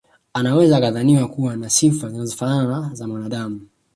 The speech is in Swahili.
Anaweza akadhaniwa kuwa na sifa zinazofanana na za mwanaadamu